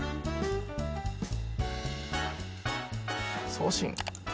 送信。